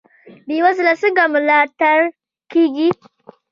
بې وزله څنګه ملاتړ کیږي؟